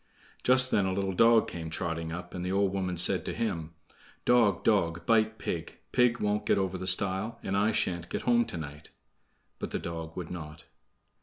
Just then a little dog came trotting up, and the old woman said to him: "Dog, dog, bite pig; Pig won't get over the stile, And I sha'n't get home to night." But the dog would not.